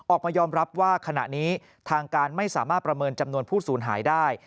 ออกมายอมรับว่าขณะนี้ทางการไม่สามารถประเมินจำนวนผู้สูญหายได้